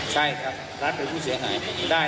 ใช่ครับรัฐเป็นผู้เสียหายได้